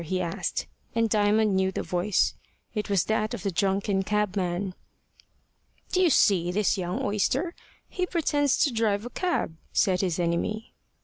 he asked, and Diamond knew the voice. It was that of the drunken cabman. "Do you see this young oyster? He pretends to drive a cab," said his enemy.